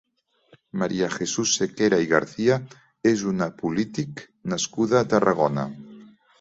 Maria Jesús Sequera i Garcia és una polític nascuda a Tarragona.